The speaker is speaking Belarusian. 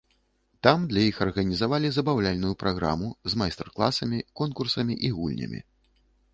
Там для іх арганізавалі забаўляльную праграму з майстар-класамі, конкурсамі і гульнямі.